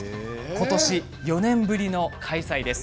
今年、４年ぶりの開催です。